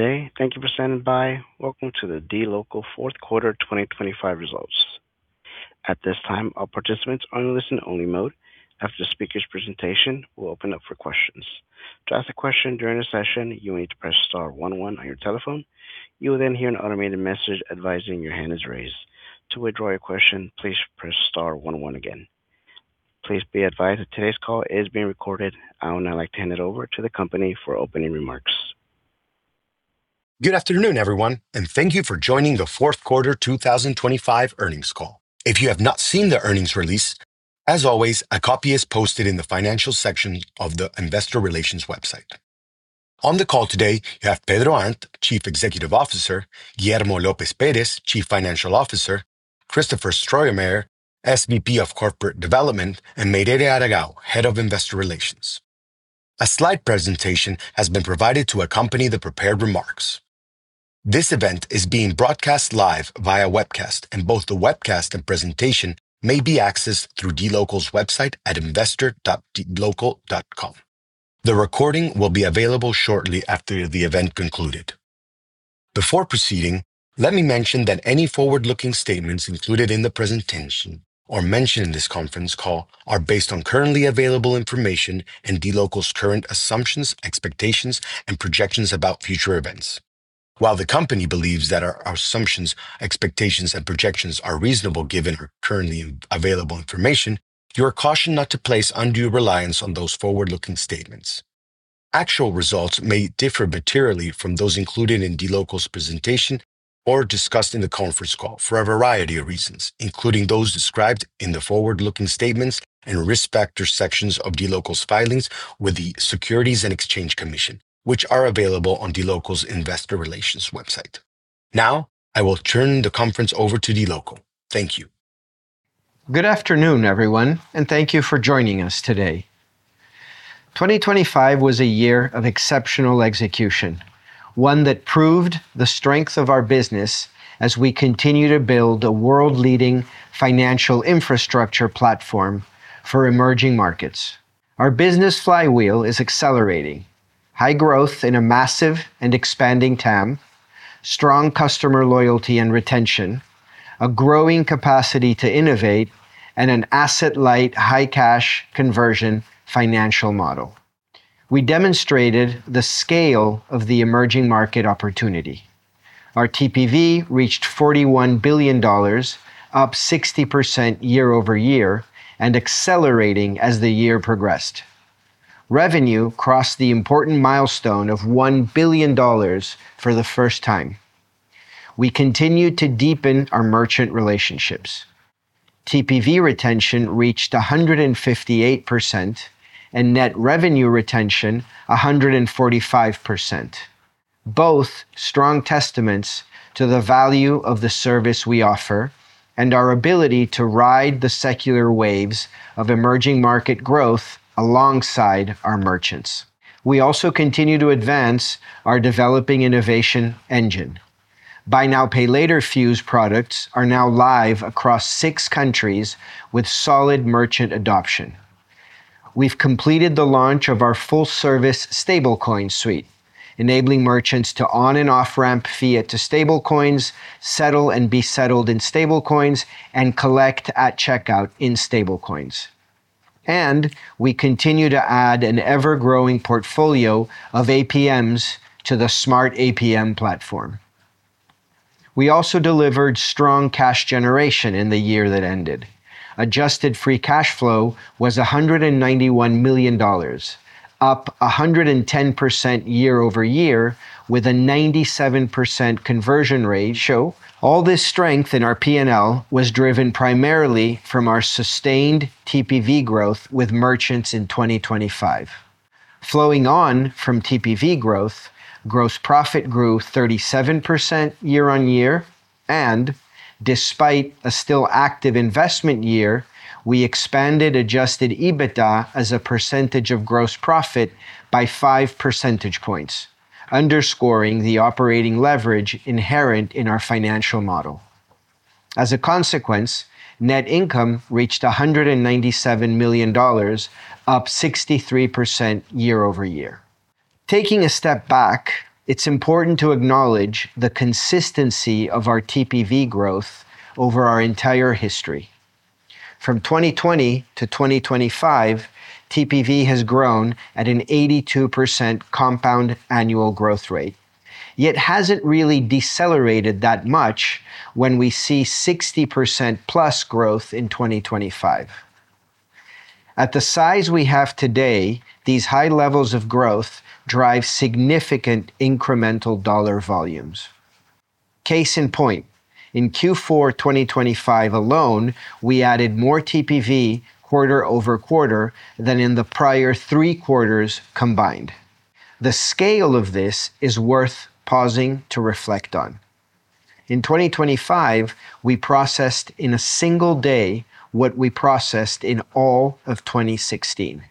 Today. Thank you for standing by. Welcome to the dLocal fourth quarter 2025 results. At this time, all participants are in listen-only mode. After the speaker's presentation, we'll open up for questions. To ask a question during the session, you will need to press star one one on your telephone. You will then hear an automated message advising your hand is raised. To withdraw your question, please press star one one again. Please be advised that today's call is being recorded. I would now like to hand it over to the company for opening remarks. Good afternoon, everyone, and thank you for joining the fourth quarter 2025 earnings call. If you have not seen the earnings release, as always, a copy is posted in the Financial section of the Investor Relations website. On the call today, you have Pedro Arnt, Chief Executive Officer, Guillermo López Pérez, Chief Financial Officer, Chris Stromeyer, SVP of Corporate Development, and Mirele de Aragao, Head of Investor Relations. A slide presentation has been provided to accompany the prepared remarks. This event is being broadcast live via webcast, and both the webcast and presentation may be accessed through dLocal's website at investor.dlocal.com. The recording will be available shortly after the event concluded. Before proceeding, let me mention that any forward-looking statements included in the presentation or mentioned in this conference call are based on currently available information and dLocal's current assumptions, expectations, and projections about future events. While the company believes that our assumptions, expectations, and projections are reasonable given our currently available information, you are cautioned not to place undue reliance on those forward-looking statements. Actual results may differ materially from those included in dLocal's presentation or discussed in the conference call for a variety of reasons, including those described in the forward-looking statements and risk factor sections of dLocal's filings with the Securities and Exchange Commission, which are available on dLocal's investor relations website. Now, I will turn the conference over to dLocal. Thank you. Good afternoon, everyone, and thank you for joining us today. 2025 was a year of exceptional execution, one that proved the strength of our business as we continue to build a world-leading financial infrastructure platform for emerging markets. Our business flywheel is accelerating high growth in a massive and expanding TAM, strong customer loyalty and retention, a growing capacity to innovate, and an asset-light, high cash conversion financial model. We demonstrated the scale of the emerging market opportunity. Our TPV reached $41 billion, up 60% year-over-year and accelerating as the year progressed. Revenue crossed the important milestone of $1 billion for the first time. We continued to deepen our merchant relationships. TPV retention reached 158% and net revenue retention 145%, both strong testaments to the value of the service we offer and our ability to ride the secular waves of emerging market growth alongside our merchants. We also continue to advance our developing innovation engine. Buy Now, Pay Later Fuse products are now live across six countries with solid merchant adoption. We've completed the launch of our full-service stablecoin suite, enabling merchants to on and off-ramp fiat to stablecoins, settle and be settled in stablecoins, and collect at checkout in stablecoins. We continue to add an ever-growing portfolio of APMs to the Smart APM platform. We also delivered strong cash generation in the year that ended. Adjusted free cash flow was $191 million, up 110% year-over-year with a 97% conversion rate though. All this strength in our P&L was driven primarily from our sustained TPV growth with merchants in 2025. Flowing on from TPV growth, gross profit grew 37% year-over-year. Despite a still active investment year, we expanded Adjusted EBITDA as a percentage of gross profit by 5 percentage points, underscoring the operating leverage inherent in our financial model. As a consequence, net income reached $197 million, up 63% year-over-year. Taking a step back, it's important to acknowledge the consistency of our TPV growth over our entire history. From 2020-2025, TPV has grown at an 82% compound annual growth rate, yet hasn't really decelerated that much when we see 60%+ growth in 2025. At the size we have today, these high levels of growth drive significant incremental dollar volumes. Case in point, in Q4 2025 alone, we added more TPV quarter-over-quarter than in the prior three quarters combined. The scale of this is worth pausing to reflect on. In 2025, we processed in a single day what we processed in all of 2016.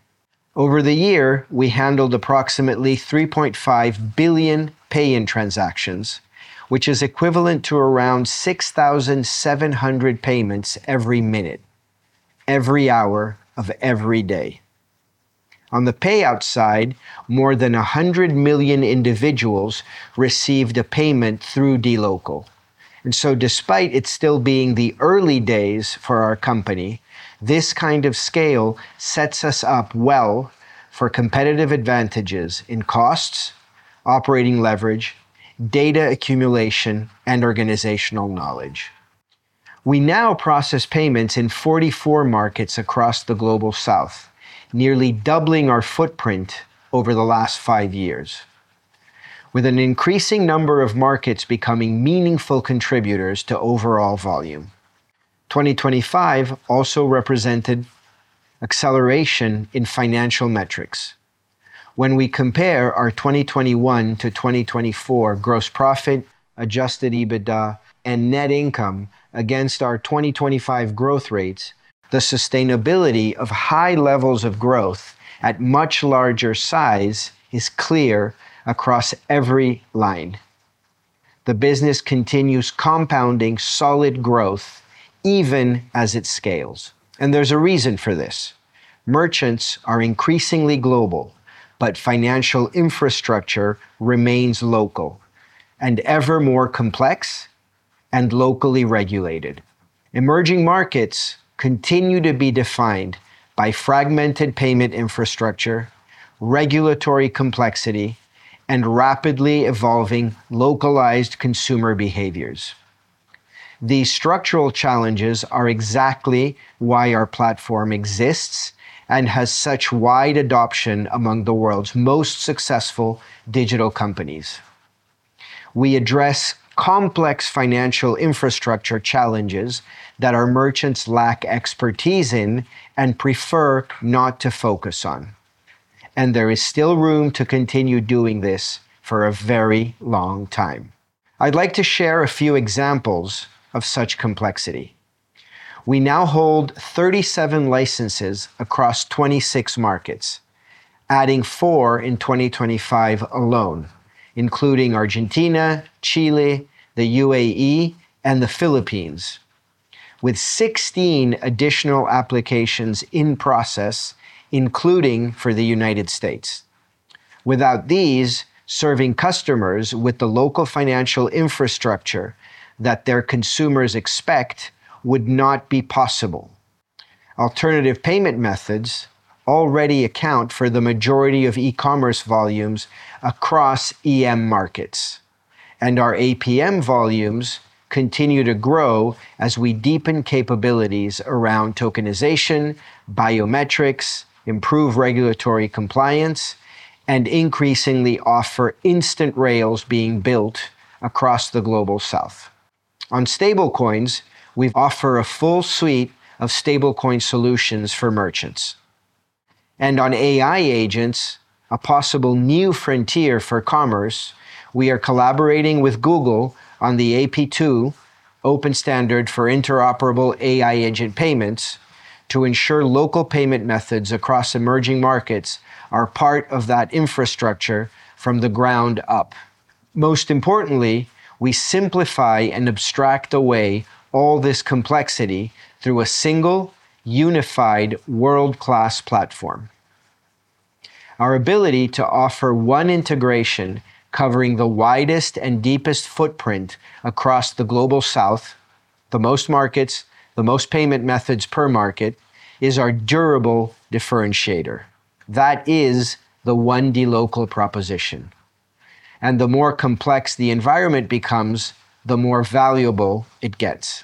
Over the year, we handled approximately 3.5 billion pay-in transactions, which is equivalent to around 6,700 payments every minute, every hour of every day. On the payout side, more than 100 million individuals received a payment through dLocal. Despite it still being the early days for our company, this kind of scale sets us up well for competitive advantages in costs, operating leverage, data accumulation, and organizational knowledge. We now process payments in 44 markets across the Global South, nearly doubling our footprint over the last five years, with an increasing number of markets becoming meaningful contributors to overall volume. 2025 also represented acceleration in financial metrics. When we compare our 2021-2024 gross profit, Adjusted EBITDA, and net income against our 2025 growth rates, the sustainability of high levels of growth at much larger size is clear across every line. The business continues compounding solid growth even as it scales, and there's a reason for this. Merchants are increasingly global, but financial infrastructure remains local and ever more complex and locally regulated. Emerging markets continue to be defined by fragmented payment infrastructure, regulatory complexity, and rapidly evolving localized consumer behaviors. These structural challenges are exactly why our platform exists and has such wide adoption among the world's most successful digital companies. We address complex financial infrastructure challenges that our merchants lack expertise in and prefer not to focus on, and there is still room to continue doing this for a very long time. I'd like to share a few examples of such complexity. We now hold 37 licenses across 26 markets, adding four in 2025 alone, including Argentina, Chile, the UAE, and the Philippines, with 16 additional applications in process, including for the United States. Without these, serving customers with the local financial infrastructure that their consumers expect would not be possible. Alternative payment methods already account for the majority of E-commerce volumes across EM markets, and our APM volumes continue to grow as we deepen capabilities around tokenization, biometrics, improve regulatory compliance, and increasingly offer instant rails being built across the Global South. On stablecoins, we offer a full suite of stablecoin solutions for merchants. On AI agents, a possible new frontier for commerce, we are collaborating with Google on the AP2 open standard for interoperable AI agent payments to ensure local payment methods across emerging markets are part of that infrastructure from the ground up. Most importantly, we simplify and abstract away all this complexity through a single, unified, world-class platform. Our ability to offer one integration covering the widest and deepest footprint across the Global South, the most markets, the most payment methods per market, is our durable differentiator. That is the One dLocal proposition, and the more complex the environment becomes, the more valuable it gets.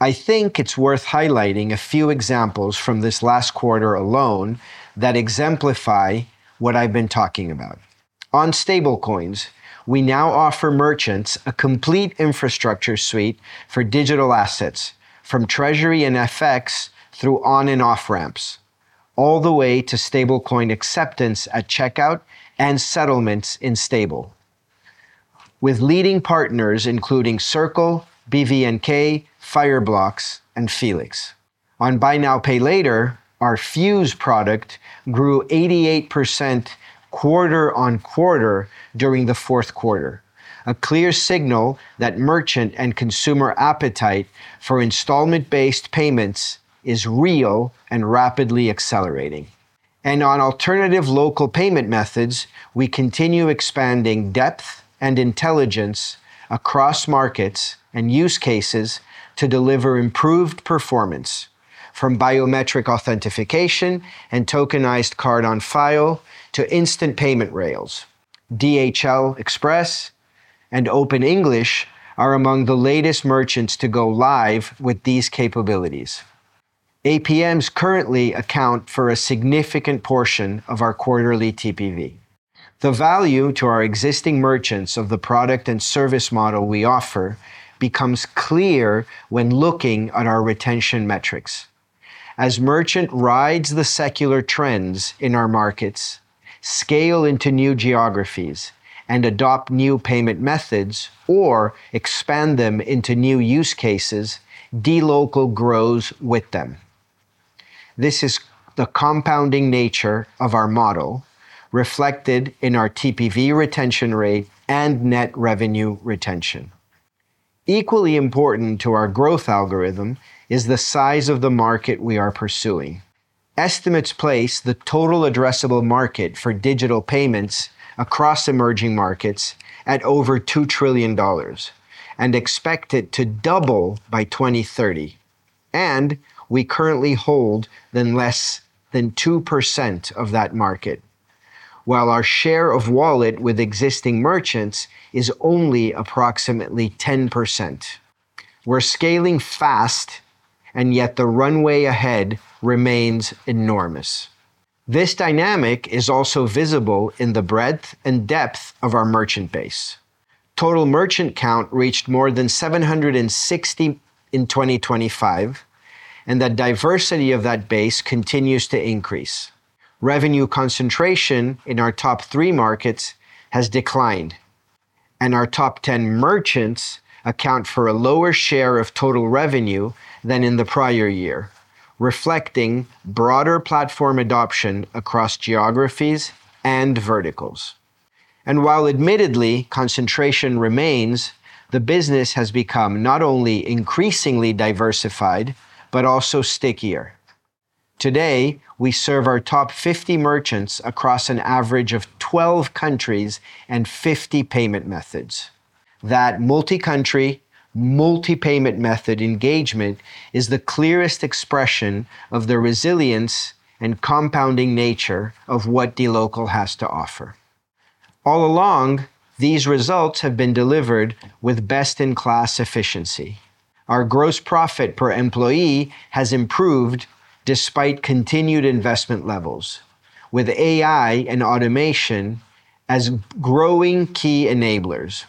I think it's worth highlighting a few examples from this last quarter alone that exemplify what I've been talking about. On stablecoins, we now offer merchants a complete infrastructure suite for digital assets, from treasury and FX through on and off-ramps, all the way to stablecoin acceptance at checkout and settlements in stablecoins with leading partners including Circle, BVNK, Fireblocks, and Félix. On buy now, pay later, our Fuse product grew 88% quarter-over-quarter during the fourth quarter, a clear signal that merchant and consumer appetite for installment-based payments is real and rapidly accelerating. On alternative local payment methods, we continue expanding depth and intelligence across markets and use cases to deliver improved performance from biometric authentication and tokenized card on file to instant payment rails. DHL Express and Open English are among the latest merchants to go live with these capabilities. APMs currently account for a significant portion of our quarterly TPV. The value to our existing merchants of the product and service model we offer becomes clear when looking at our retention metrics. As merchants ride the secular trends in our markets, scale into new geographies, and adopt new payment methods or expand them into new use cases, dLocal grows with them. This is the compounding nature of our model reflected in our TPV retention rate and net revenue retention. Equally important to our growth algorithm is the size of the market we are pursuing. Estimates place the total addressable market for digital payments across emerging markets at over $2 trillion, and expect it to double by 2030. We currently hold less than 2% of that market. While our share of wallet with existing merchants is only approximately 10%. We're scaling fast, and yet the runway ahead remains enormous. This dynamic is also visible in the breadth and depth of our merchant base. Total merchant count reached more than 760 in 2025, and the diversity of that base continues to increase. Revenue concentration in our top three markets has declined, and our top 10 merchants account for a lower share of total revenue than in the prior year, reflecting broader platform adoption across geographies and verticals. While admittedly concentration remains, the business has become not only increasingly diversified, but also stickier. Today, we serve our top 50 merchants across an average of 12 countries and 50 payment methods. That multi-country, multi-payment method engagement is the clearest expression of the resilience and compounding nature of what dLocal has to offer. All along, these results have been delivered with best-in-class efficiency. Our gross profit per employee has improved despite continued investment levels with AI and automation as growing key enablers.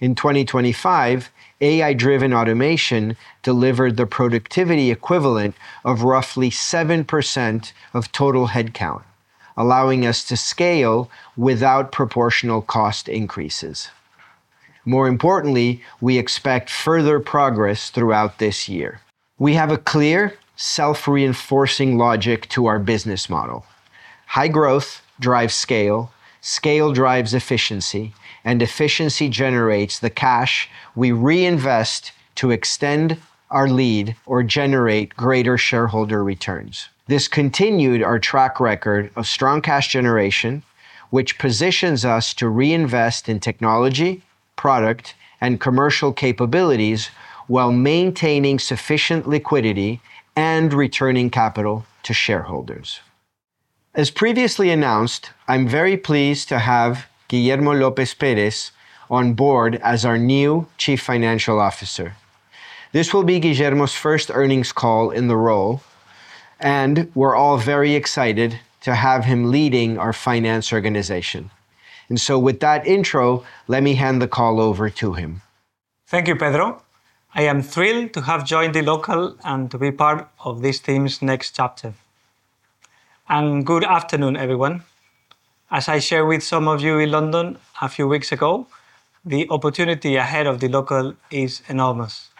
In 2025, AI-driven automation delivered the productivity equivalent of roughly 7% of total headcount, allowing us to scale without proportional cost increases. More importantly, we expect further progress throughout this year. We have a clear self-reinforcing logic to our business model. High growth drives scale drives efficiency, and efficiency generates the cash we reinvest to extend our lead or generate greater shareholder returns. This continued our track record of strong cash generation, which positions us to reinvest in technology, product, and commercial capabilities while maintaining sufficient liquidity and returning capital to shareholders. As previously announced, I'm very pleased to have Guillermo López Pérez on board as our new Chief Financial Officer. This will be Guillermo's first earnings call in the role, and we're all very excited to have him leading our finance organization. With that intro, let me hand the call over to him. Thank you, Pedro. I am thrilled to have joined dLocal and to be part of this team's next chapter. Good afternoon, everyone. As I shared with some of you in London a few weeks ago, the opportunity ahead of dLocal is enormous,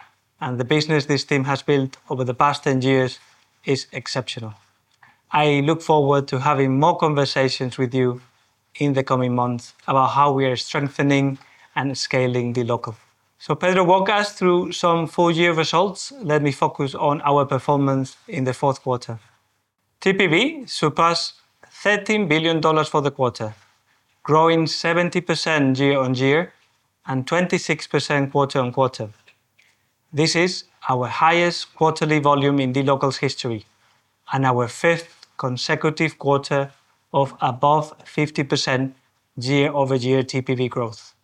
and the business this team has built over the past 10 years is exceptional. I look forward to having more conversations with you in the coming months about how we are strengthening and scaling dLocal. Pedro walked us through some full year results. Let me focus on our performance in the fourth quarter. TPV surpassed $13 billion for the quarter, growing 70% year-over-year and 26% quarter-over-quarter. This is our highest quarterly volume in dLocal's history and our fifth consecutive quarter of above 50% year-over-year TPV growth,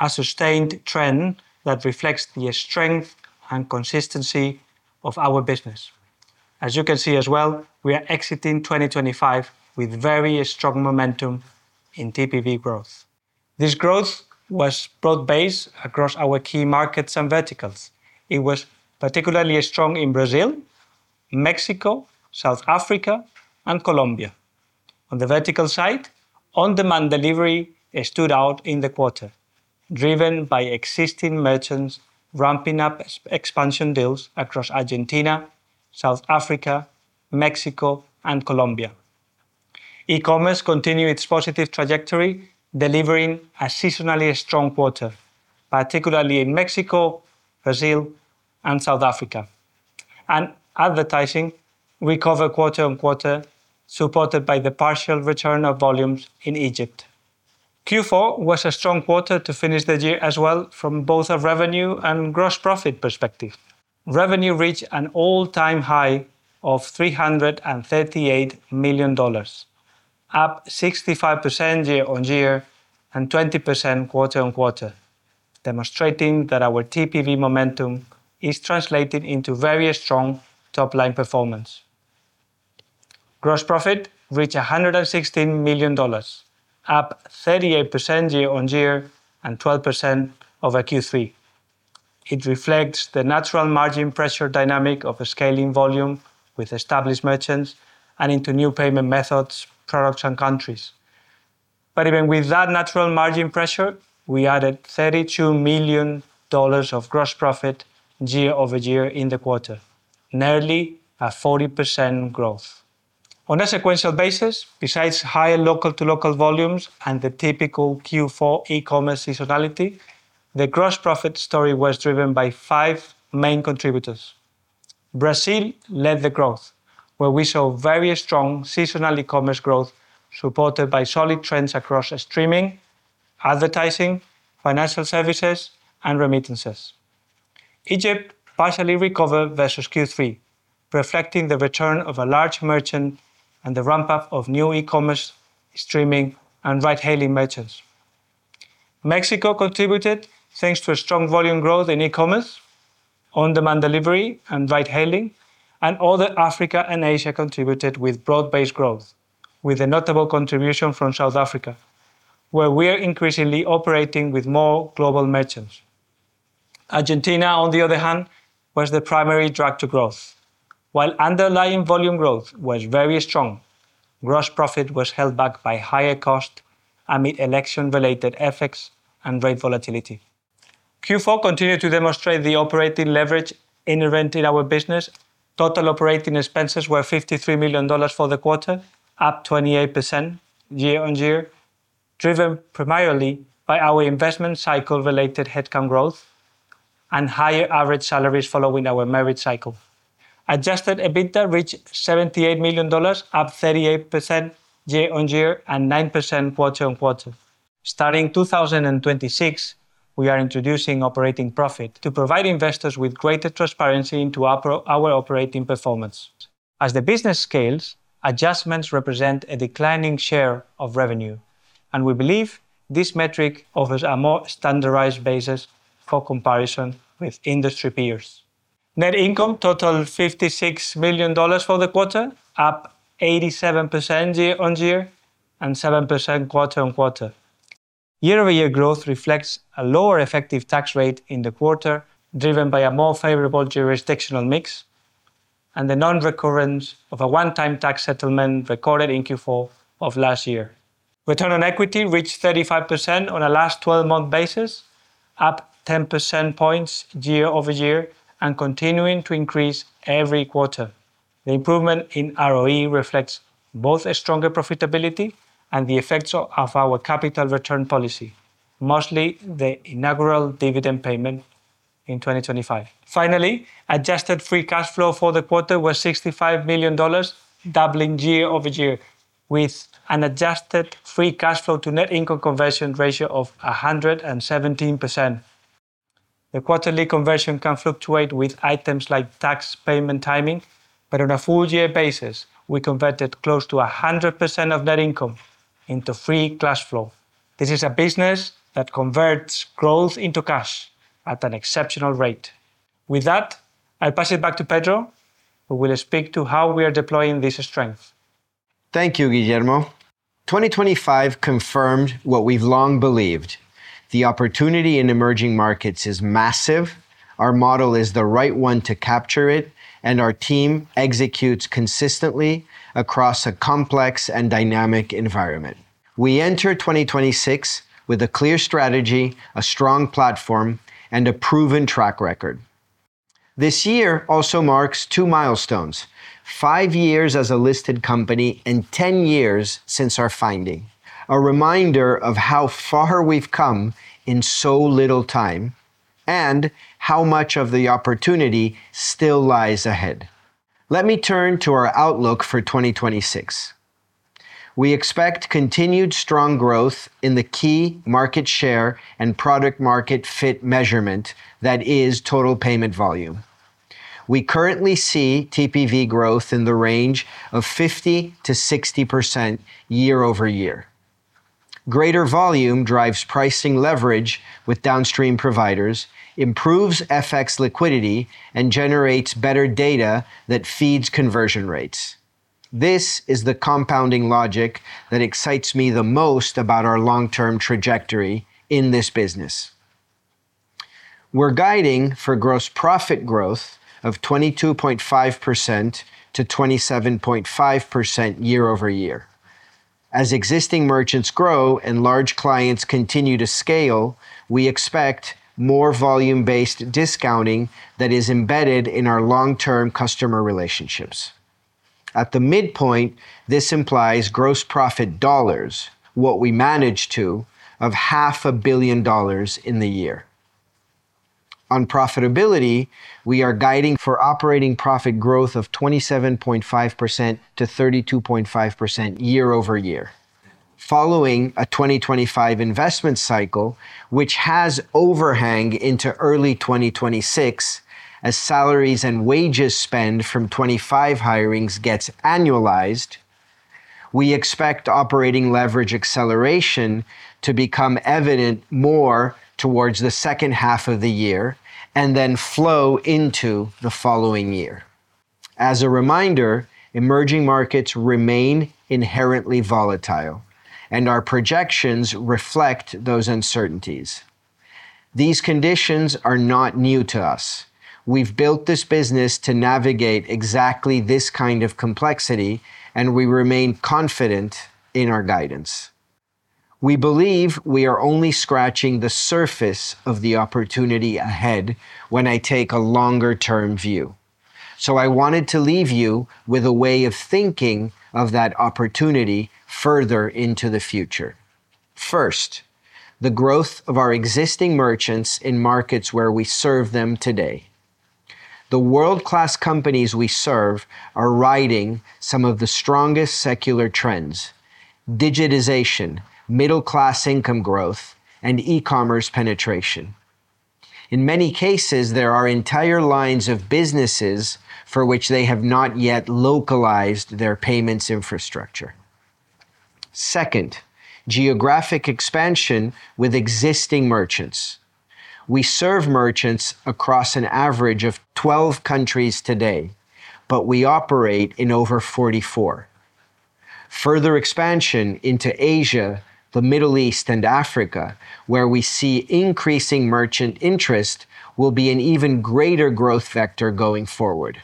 a sustained trend that reflects the strength and consistency of our business. As you can see as well, we are exiting 2025 with very strong momentum in TPV growth. This growth was broad-based across our key markets and verticals. It was particularly strong in Brazil, Mexico, South Africa, and Colombia. On the vertical side, on-demand delivery stood out in the quarter, driven by existing merchants ramping up expansion deals across Argentina, South Africa, Mexico and Colombia. E-commerce continued its positive trajectory, delivering a seasonally strong quarter, particularly in Mexico, Brazil, and South Africa. Advertising recovered quarter-on-quarter, supported by the partial return of volumes in Egypt. Q4 was a strong quarter to finish the year as well from both a revenue and gross profit perspective. Revenue reached an all-time high of $338 million, up 65% year-over-year and 20% quarter-over-quarter, demonstrating that our TPV momentum is translating into very strong top-line performance. Gross profit reached $116 million, up 38% year-over-year and 12% over Q3. It reflects the natural margin pressure dynamic of scaling volume with established merchants and into new payment methods, products, and countries. Even with that natural margin pressure, we added $32 million of gross profit year-over-year in the quarter, nearly a 40% growth. On a sequential basis, besides higher local to local volumes and the typical Q4 E-commerce seasonality, the gross profit story was driven by five main contributors. Brazil led the growth, where we saw very strong seasonal E-commerce growth supported by solid trends across streaming, advertising, financial services, and remittances. Egypt partially recovered versus Q3, reflecting the return of a large merchant and the ramp up of new E-commerce streaming and ride hailing merchants. Mexico contributed thanks to a strong volume growth in E-commerce, on-demand delivery, and ride hailing, and other Africa and Asia contributed with broad-based growth with a notable contribution from South Africa, where we are increasingly operating with more global merchants. Argentina, on the other hand, was the primary drag to growth. While underlying volume growth was very strong, gross profit was held back by higher cost amid election related effects and rate volatility. Q4 continued to demonstrate the operating leverage in running our business. Total operating expenses were $53 million for the quarter, up 28% year-on-year, driven primarily by our investment cycle related headcount growth and higher average salaries following our merger cycle. Adjusted EBITDA reached $78 million, up 38% year-on-year and 9% quarter-on-quarter. Starting 2026, we are introducing operating profit to provide investors with greater transparency into our operating performance. As the business scales, adjustments represent a declining share of revenue, and we believe this metric offers a more standardized basis for comparison with industry peers. Net income totaled $56 million for the quarter, up 87% year-on-year and 7% quarter-on-quarter. Year-over-year growth reflects a lower effective tax rate in the quarter, driven by a more favorable jurisdictional mix and the non-recurrence of a one-time tax settlement recorded in Q4 of last year. Return on equity reached 35% on a last 12-month basis, up 10 percentage points year-over-year and continuing to increase every quarter. The improvement in ROE reflects both a stronger profitability and the effects of our capital return policy, mostly the inaugural dividend payment in 2025. Finally, adjusted free cash flow for the quarter was $65 million, doubling year-over-year with an adjusted free cash flow to net income conversion ratio of 117%. The quarterly conversion can fluctuate with items like tax payment timing, but on a full year basis, we converted close to 100% of net income into free cash flow. This is a business that converts growth into cash at an exceptional rate. With that, I'll pass it back to Pedro, who will speak to how we are deploying this strength. Thank you, Guillermo. 2025 confirmed what we've long believed. The opportunity in emerging markets is massive. Our model is the right one to capture it, and our team executes consistently across a complex and dynamic environment. We enter 2026 with a clear strategy, a strong platform, and a proven track record. This year also marks two milestones, five years as a listed company and 10 years since our founding. A reminder of how far we've come in so little time and how much of the opportunity still lies ahead. Let me turn to our outlook for 2026. We expect continued strong growth in the key market share and product market fit measurement that is total payment volume. We currently see TPV growth in the range of 50%-60% year-over-year. Greater volume drives pricing leverage with downstream providers, improves FX liquidity, and generates better data that feeds conversion rates. This is the compounding logic that excites me the most about our long-term trajectory in this business. We're guiding for gross profit growth of 22.5%-27.5% year-over-year. As existing merchants grow and large clients continue to scale, we expect more volume-based discounting that is embedded in our long-term customer relationships. At the midpoint, this implies gross profit dollars, what we manage to, of $500 million in the year. On profitability, we are guiding for operating profit growth of 27.5%-32.5% year-over-year. Following a 2025 investment cycle, which has overhang into early 2026 as salaries and wages spend from 25 hirings gets annualized, we expect operating leverage acceleration to become evident more towards the second half of the year and then flow into the following year. As a reminder, emerging markets remain inherently volatile, and our projections reflect those uncertainties. These conditions are not new to us. We've built this business to navigate exactly this kind of complexity, and we remain confident in our guidance. We believe we are only scratching the surface of the opportunity ahead when I take a longer term view. I wanted to leave you with a way of thinking of that opportunity further into the future. First, the growth of our existing merchants in markets where we serve them today. The world-class companies we serve are riding some of the strongest secular trends, digitization, middle-class income growth, and E-commerce penetration. In many cases, there are entire lines of businesses for which they have not yet localized their payments infrastructure. Second, geographic expansion with existing merchants. We serve merchants across an average of 12 countries today, but we operate in over 44. Further expansion into Asia, the Middle East, and Africa, where we see increasing merchant interest, will be an even greater growth factor going forward.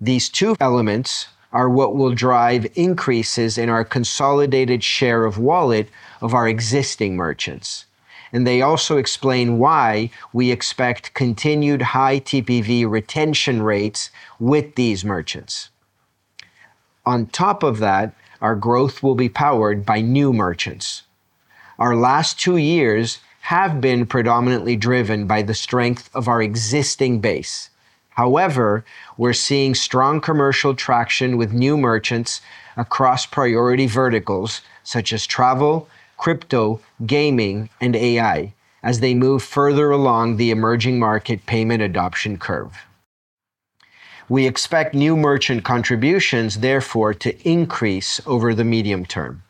These two elements are what will drive increases in our consolidated share of wallet of our existing merchants, and they also explain why we expect continued high TPV retention rates with these merchants. On top of that, our growth will be powered by new merchants. Our last two years have been predominantly driven by the strength of our existing base. However, we're seeing strong commercial traction with new merchants across priority verticals such as travel, crypto, gaming, and AI as they move further along the emerging market payment adoption curve. We expect new merchant contributions, therefore, to increase over the medium term.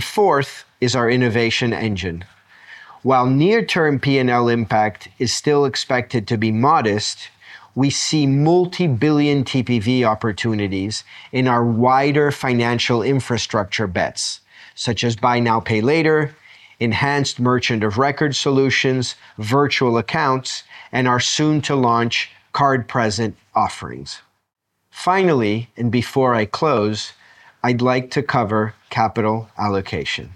Fourth is our innovation engine. While near term P&L impact is still expected to be modest, we see multi-billion TPV opportunities in our wider financial infrastructure bets, such as buy now, pay later, enhanced merchant of record solutions, virtual accounts, and our soon to launch card-present offerings. Finally, and before I close, I'd like to cover capital allocation.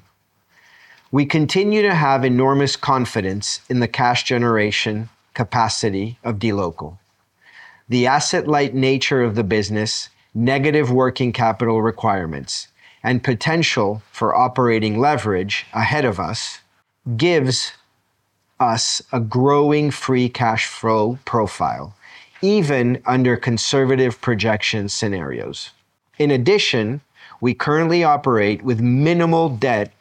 We continue to have enormous confidence in the cash generation capacity of dLocal. The asset light nature of the business, negative working capital requirements, and potential for operating leverage ahead of us gives us a growing free cash flow profile, even under conservative projection scenarios. In addition, we currently operate with minimal debt,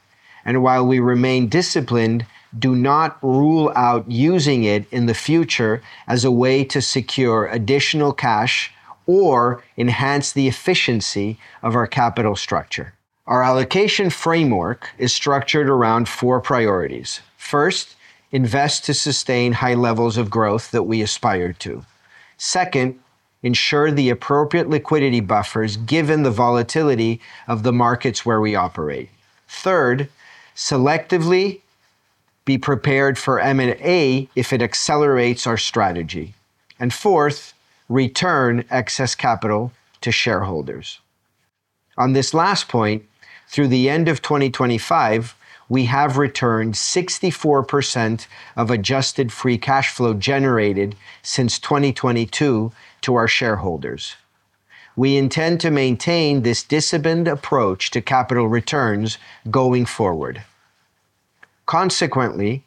and while we remain disciplined, do not rule out using it in the future as a way to secure additional cash or enhance the efficiency of our capital structure. Our allocation framework is structured around four priorities. First, invest to sustain high levels of growth that we aspire to. Second, ensure the appropriate liquidity buffers given the volatility of the markets where we operate. Third, selectively be prepared for M&A if it accelerates our strategy. Fourth, return excess capital to shareholders. On this last point, through the end of 2025, we have returned 64% of Adjusted free cash flow generated since 2022 to our shareholders. We intend to maintain this disciplined approach to capital returns going forward. Consequently,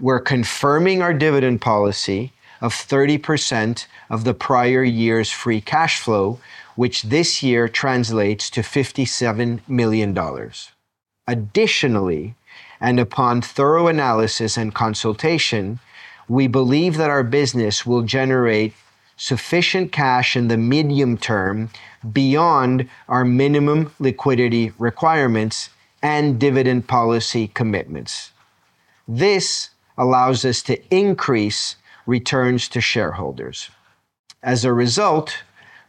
we're confirming our dividend policy of 30% of the prior year's free cash flow, which this year translates to $57 million. Additionally, upon thorough analysis and consultation, we believe that our business will generate sufficient cash in the medium term beyond our minimum liquidity requirements and dividend policy commitments. This allows us to increase returns to shareholders. As a result,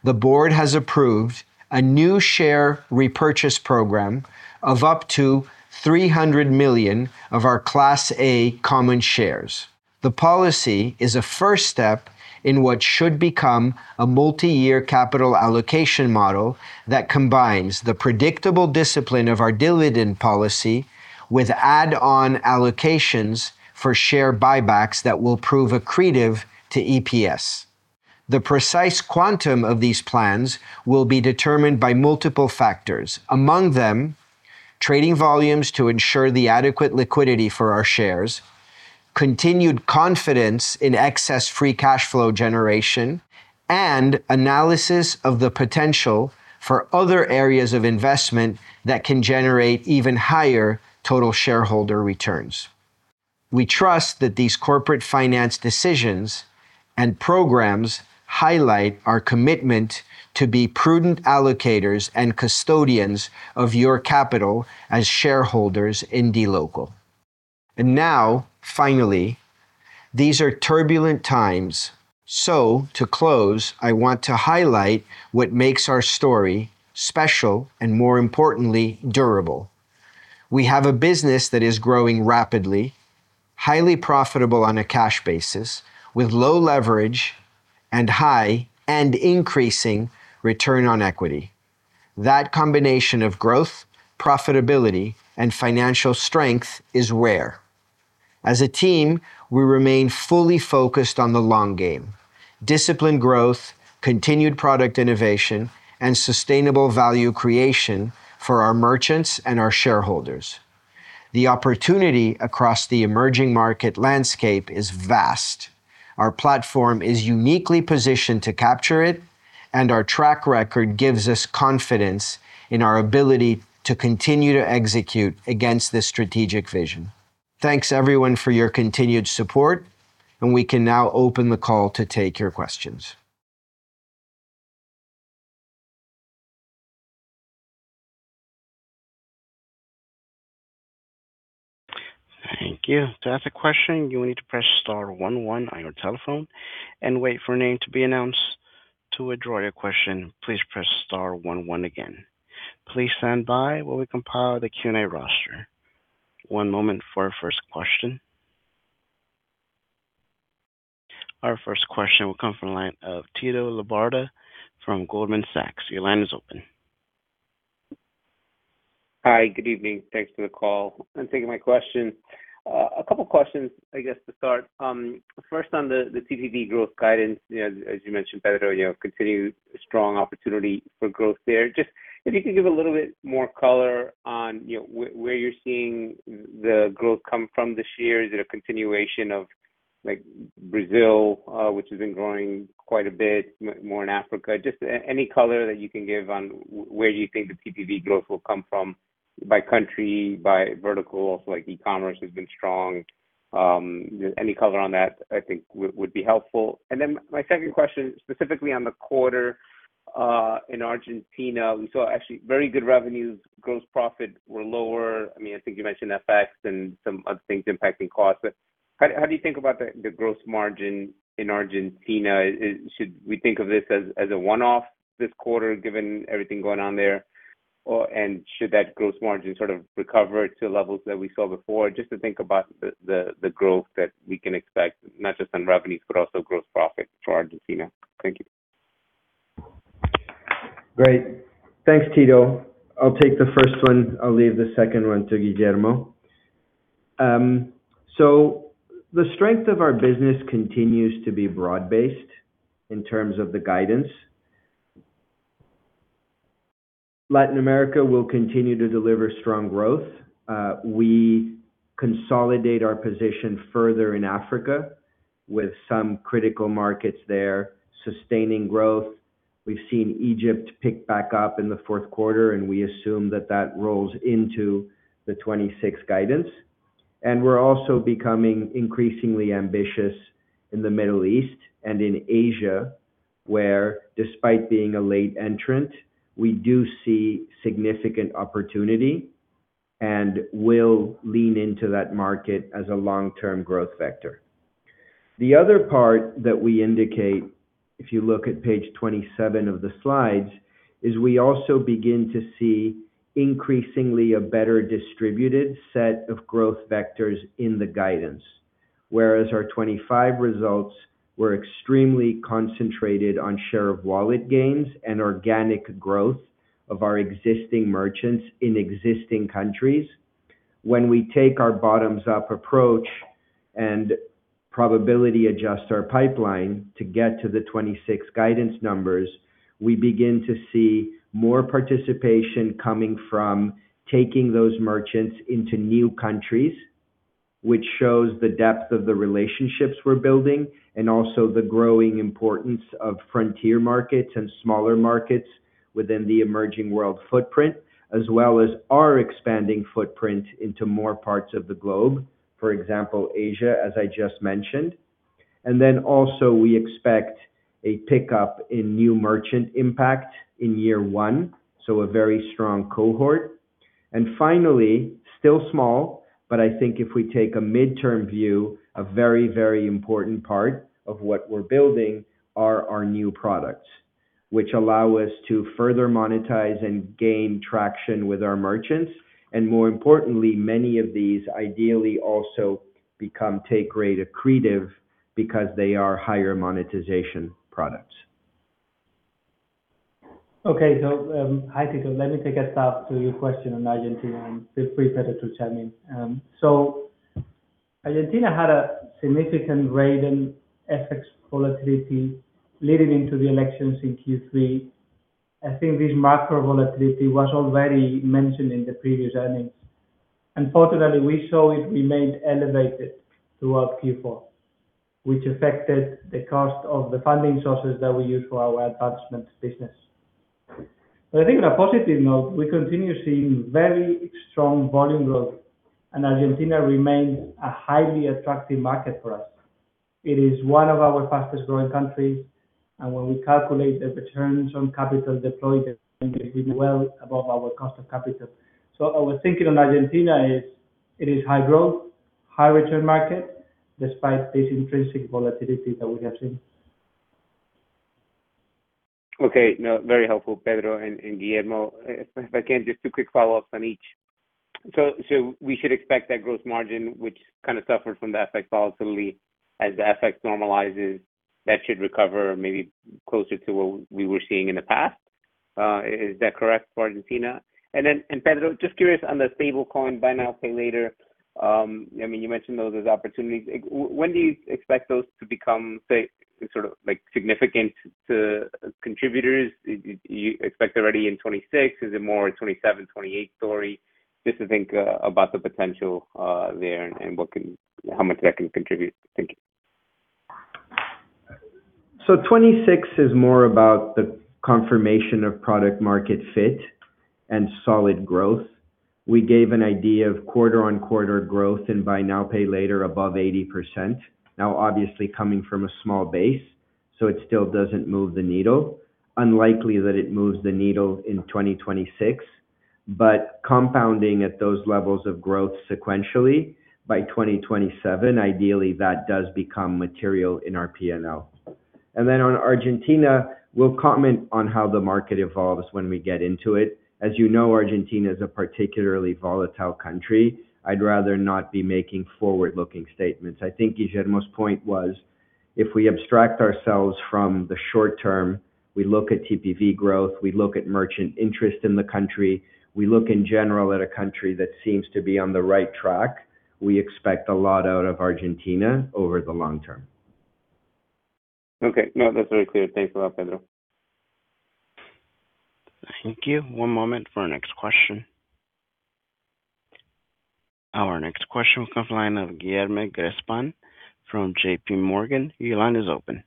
the board has approved a new share repurchase program of up to 300 million of our Class A common shares. The policy is a first step in what should become a multi-year capital allocation model that combines the predictable discipline of our dividend policy with add-on allocations for share buybacks that will prove accretive to EPS. The precise quantum of these plans will be determined by multiple factors. Among them, trading volumes to ensure the adequate liquidity for our shares, continued confidence in excess free cash flow generation, and analysis of the potential for other areas of investment that can generate even higher total shareholder returns. We trust that these corporate finance decisions and programs highlight our commitment to be prudent allocators and custodians of your capital as shareholders in dLocal. Now, finally, these are turbulent times. To close, I want to highlight what makes our story special and more importantly, durable. We have a business that is growing rapidly. Highly profitable on a cash basis with low leverage and high and increasing return on equity. That combination of growth, profitability and financial strength is rare. As a team, we remain fully focused on the long game. Disciplined growth, continued product innovation, and sustainable value creation for our merchants and our shareholders. The opportunity across the emerging market landscape is vast. Our platform is uniquely positioned to capture it, and our track record gives us confidence in our ability to continue to execute against this strategic vision. Thanks everyone for your continued support, and we can now open the call to take your questions. Thank you. To ask a question, you will need to press star one one on your telephone and wait for a name to be announced. To withdraw your question, please press star one one again. Please stand by while we compile the Q&A roster. One moment for our first question. Our first question will come from the line of Tito Labarta from Goldman Sachs. Your line is open. Hi, good evening. Thanks for the call and taking my question. A couple questions I guess to start. First on the TPV growth guidance. You know, as you mentioned, Pedro, you know, continued strong opportunity for growth there. Just if you could give a little bit more color on, you know, where you're seeing the growth come from this year. Is it a continuation of like Brazil, which has been growing quite a bit more in Africa? Just any color that you can give on where you think the TPV growth will come from by country, by verticals, like E-commerce has been strong. Any color on that I think would be helpful. My second question, specifically on the quarter, in Argentina, we saw actually very good revenues. Gross profit were lower. I mean, I think you mentioned FX and some other things impacting costs, but how do you think about the gross margin in Argentina? Should we think of this as a one-off this quarter given everything going on there? Should that gross margin sort of recover to levels that we saw before? Just to think about the growth that we can expect, not just on revenues, but also gross profit for Argentina? Thank you. Great. Thanks, Tito. I'll take the first one. I'll leave the second one to Guillermo. The strength of our business continues to be broad-based in terms of the guidance. Latin America will continue to deliver strong growth. We consolidate our position further in Africa with some critical markets there sustaining growth. We've seen Egypt pick back up in the fourth quarter, and we assume that rolls into the 2026 guidance. We're also becoming increasingly ambitious in the Middle East and in Asia, where despite being a late entrant, we do see significant opportunity and will lean into that market as a long-term growth vector. The other part that we indicate, if you look at page 27 of the slides, is we also begin to see increasingly a better distributed set of growth vectors in the guidance. Whereas our 2025 results were extremely concentrated on share of wallet gains and organic growth of our existing merchants in existing countries. When we take our bottoms-up approach and probability adjust our pipeline to get to the 2026 guidance numbers, we begin to see more participation coming from taking those merchants into new countries, which shows the depth of the relationships we're building and also the growing importance of frontier markets and smaller markets within the emerging world footprint, as well as our expanding footprint into more parts of the globe. For example, Asia, as I just mentioned. also we expect a pickup in new merchant impact in year one, so a very strong cohort. Finally, still small, but I think if we take a midterm view, a very, very important part of what we're building are our new products, which allow us to further monetize and gain traction with our merchants. More importantly, many of these ideally also become take rate accretive because they are higher monetization products. Okay. Hi Tito. Let me take a stab at your question on Argentina and feel free, Pedro, to chime in. Argentina had a significant rise in FX volatility leading into the elections in Q3. I think this macro volatility was already mentioned in the previous earnings. Unfortunately, we saw it remained elevated throughout Q4, which affected the cost of the funding sources that we use for our acquiring business. I think on a positive note, we continue seeing very strong volume growth, and Argentina remains a highly attractive market for us. It is one of our fastest-growing countries, and when we calculate the returns on capital deployed, well above our cost of capital. Our thinking on Argentina is it is high growth, high return market despite this intrinsic volatility that we have seen. Okay. No, very helpful, Pedro and Guillermo. If I can, just two quick follow-ups on each. We should expect that gross margin, which kind of suffered from the FX volatility, as the FX normalizes, that should recover maybe closer to what we were seeing in the past. Is that correct for Argentina? Then Pedro, just curious on the stablecoin buy now, pay later. I mean, you mentioned those as opportunities. When do you expect those to become say, sort of like significant contributors? Do you expect already in 2026? Is it more a 2027, 2028 story? Just to think about the potential there and how much that can contribute? Thank you. 2026 is more about the confirmation of product market fit and solid growth. We gave an idea of quarter-over-quarter growth in Buy Now, Pay Later above 80%. Now, obviously coming from a small base, so it still doesn't move the needle. Unlikely that it moves the needle in 2026. Compounding at those levels of growth sequentially by 2027, ideally that does become material in our P&L. On Argentina, we'll comment on how the market evolves when we get into it. As you know, Argentina is a particularly volatile country. I'd rather not be making forward-looking statements. I think Guillermo's point was, if we abstract ourselves from the short term, we look at TPV growth, we look at merchant interest in the country, we look in general at a country that seems to be on the right track. We expect a lot out of Argentina over the long term. Okay. No, that's very clear. Thanks a lot, Pedro. Thank you. One moment for our next question. Our next question will come from line of Guilherme Grespan from JP Morgan. Your line is open.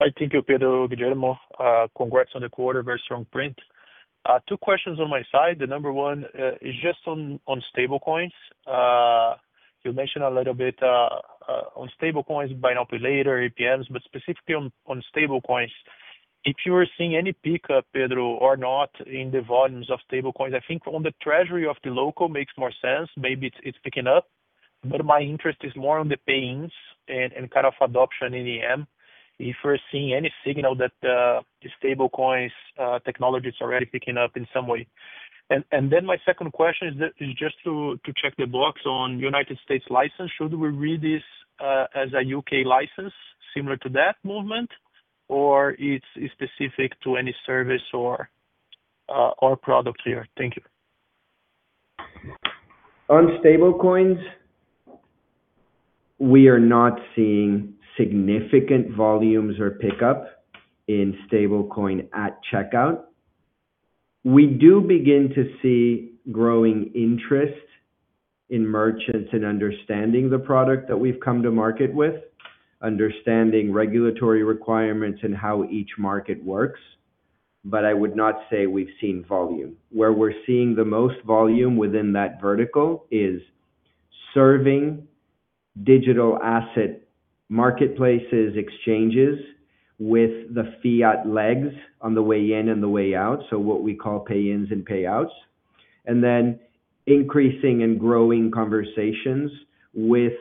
Hi. Thank you, Pedro Arnt, Guillermo López Pérez. Congrats on the quarter. Very strong print. Two questions on my side. Number one is just on stablecoins. You mentioned a little bit on stablecoins, Buy Now, Pay Later, APMs, but specifically on stablecoins. If you are seeing any pickup, Pedro, or not, in the volumes of stablecoins. I think on the treasury of dLocal makes more sense. Maybe it's picking up. But my interest is more on the pay-ins and kind of adoption in EM. If you're seeing any signal that the stablecoins technology is already picking up in some way. My second question is just to check the box on U.S. license. Should we read this as a U.K. license similar to that movement? It's specific to any service or product here? Thank you. On stablecoins, we are not seeing significant volumes or pickup in stablecoin at checkout. We do begin to see growing interest in merchants in understanding the product that we've come to market with, understanding regulatory requirements and how each market works, but I would not say we've seen volume. Where we're seeing the most volume within that vertical is serving digital asset marketplaces exchanges with the fiat legs on the way in and the way out. What we call pay-ins and payouts. Increasing and growing conversations with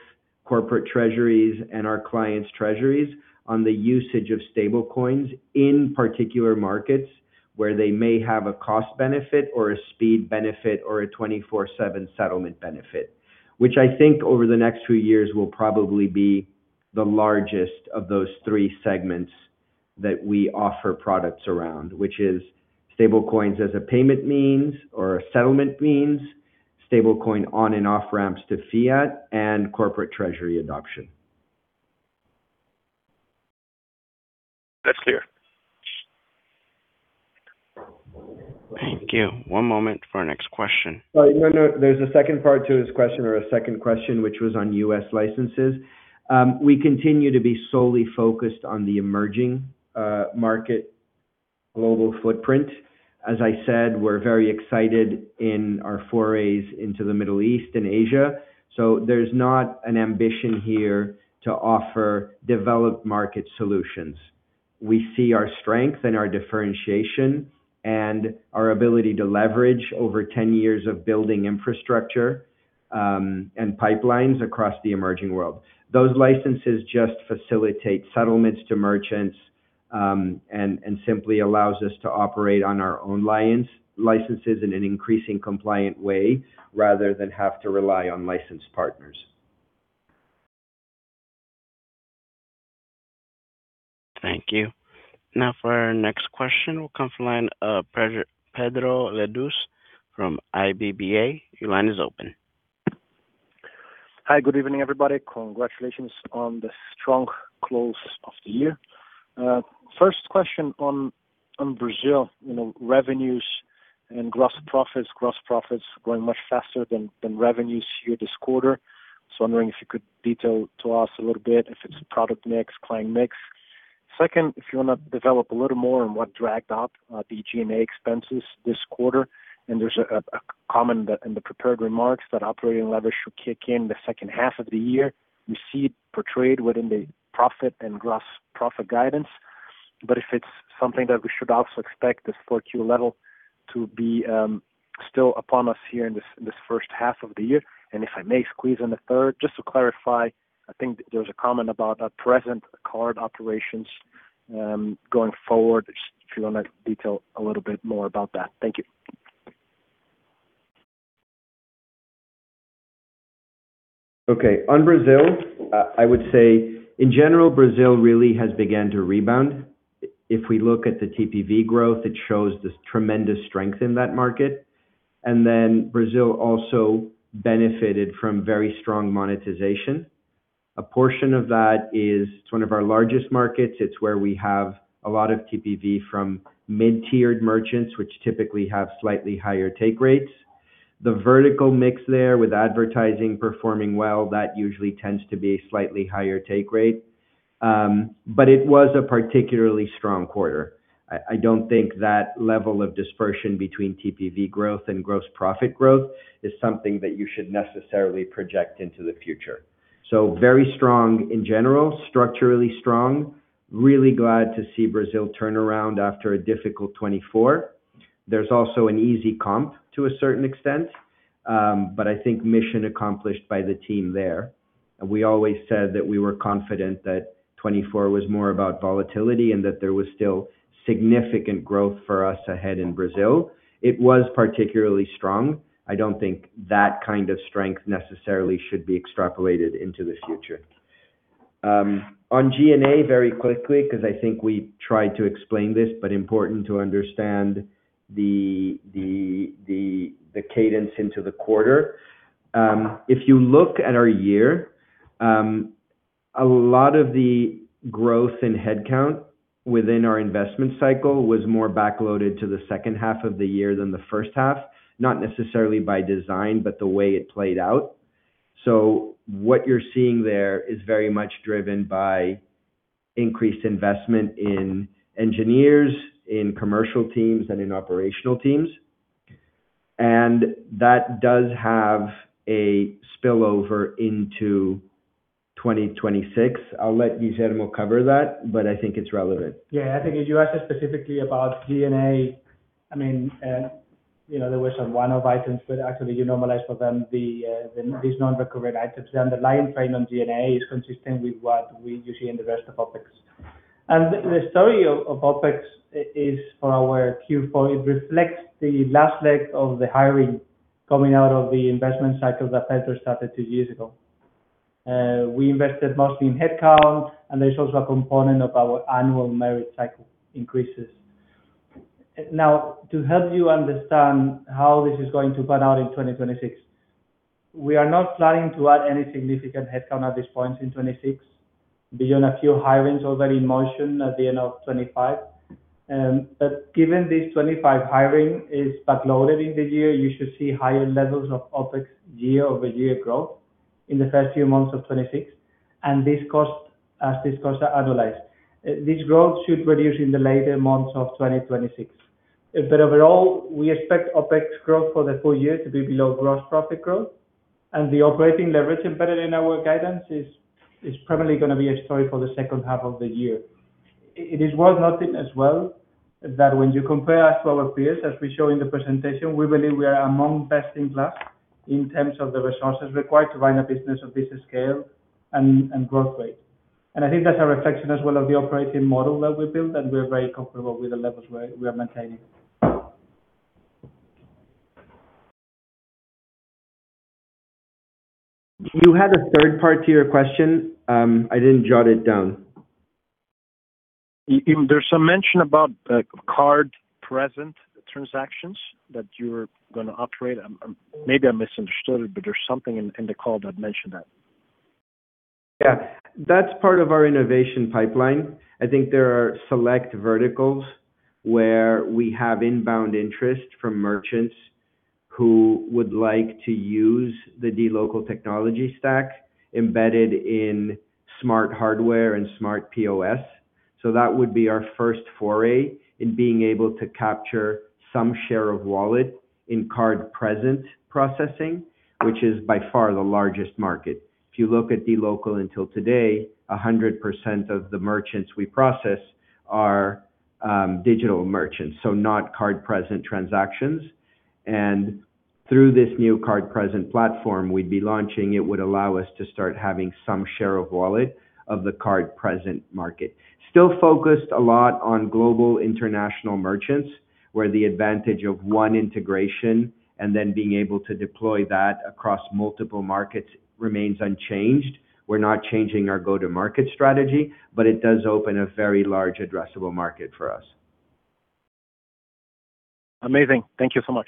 corporate treasuries and our clients' treasuries on the usage of stablecoins in particular markets where they may have a cost benefit or a speed benefit or a 24/7 settlement benefit, which I think over the next few years will probably be the largest of those three segments that we offer products around. Which is stablecoins as a payment means or a settlement means, stablecoin on and off ramps to fiat, and corporate treasury adoption. That's clear. Thank you. One moment for our next question. Oh, no. There's a second part to his question or a second question, which was on U.S. licenses. We continue to be solely focused on the emerging market global footprint. As I said, we're very excited in our forays into the Middle East and Asia. There's not an ambition here to offer developed market solutions. We see our strength and our differentiation and our ability to leverage over 10 years of building infrastructure and pipelines across the emerging world. Those licenses just facilitate settlements to merchants and simply allows us to operate on our own licenses in an increasingly compliant way rather than have to rely on licensed partners. Thank you. Now for our next question, we'll come from line of Pedro Leduc from Itaú BBA. Your line is open. Hi. Good evening, everybody. Congratulations on the strong close of the year. First question on Brazil, you know, revenues and gross profits. Gross profits growing much faster than revenues here this quarter. So wondering if you could detail to us a little bit if it's product mix, client mix. Second, if you want to develop a little more on what dragged out the G&A expenses this quarter. There's a comment that in the prepared remarks that operating leverage should kick in the second half of the year. We see it portrayed within the profit and gross profit guidance. If it's something that we should also expect this Q4 level to be. Still upon us here in this first half of the year. If I may squeeze in a third, just to clarify, I think there was a comment about our card-present operations going forward. If you want to detail a little bit more about that? Thank you. Okay. On Brazil, I would say in general, Brazil really has began to rebound. If we look at the TPV growth, it shows this tremendous strength in that market. Brazil also benefited from very strong monetization. A portion of that is it's one of our largest markets. It's where we have a lot of TPV from mid-tiered merchants, which typically have slightly higher take rates. The vertical mix there with advertising performing well, that usually tends to be a slightly higher take rate. But it was a particularly strong quarter. I don't think that level of dispersion between TPV growth and gross profit growth is something that you should necessarily project into the future. Very strong in general, structurally strong. Really glad to see Brazil turn around after a difficult 2024. There's also an easy comp to a certain extent. I think mission accomplished by the team there. We always said that we were confident that 2024 was more about volatility and that there was still significant growth for us ahead in Brazil. It was particularly strong. I don't think that kind of strength necessarily should be extrapolated into the future. On G&A, very quickly, because I think we tried to explain this, but important to understand the cadence into the quarter. If you look at our year, a lot of the growth in headcount within our investment cycle was more backloaded to the second half of the year than the first half, not necessarily by design, but the way it played out. What you're seeing there is very much driven by increased investment in engineers, in commercial teams and in operational teams. That does have a spillover into 2026. I'll let Guillermo cover that, but I think it's relevant. Yeah. I think if you ask us specifically about G&A, I mean, you know, there were some one-off items, but actually you normalize for them, these non-recurring items. The underlying trend on G&A is consistent with what we usually in the rest of OpEx. The story of OpEx is for our Q4, it reflects the last leg of the hiring coming out of the investment cycle that Pedro started two years ago. We invested mostly in headcount, and there's also a component of our annual merit cycle increases. Now, to help you understand how this is going to pan out in 2026, we are not planning to add any significant headcount at this point in 2026 beyond a few hirings already in motion at the end of 2025. Given this 2025 hiring is backloaded in the year, you should see higher levels of OpEx year-over-year growth in the first few months of 2026. As these costs are annualized. This growth should reduce in the later months of 2026. Overall, we expect OpEx growth for the full year to be below gross profit growth. The operating leverage embedded in our guidance is primarily going to be a story for the second half of the year. It is worth noting as well that when you compare us to our peers, as we show in the presentation, we believe we are among best in class in terms of the resources required to run a business of this scale and growth rate. I think that's a reflection as well of the operating model that we built, and we're very comfortable with the levels we are maintaining. You had a third part to your question. I didn't jot it down. There's some mention about the card-present transactions that you're gonna operate. Maybe I misunderstood it, but there's something in the call that mentioned that? Yeah. That's part of our innovation pipeline. I think there are select verticals where we have inbound interest from merchants who would like to use the dLocal technology stack embedded in smart hardware and smart POS. That would be our first foray in being able to capture some share of wallet in card-present processing, which is by far the largest market. If you look at dLocal until today, 100% of the merchants we process are digital merchants, so not card-present transactions. Through this new card-present platform we'd be launching, it would allow us to start having some share of wallet of the card-present market. Still focused a lot on global international merchants, where the advantage of one integration and then being able to deploy that across multiple markets remains unchanged. We're not changing our go-to-market strategy, but it does open a very large addressable market for us. Amazing. Thank you so much.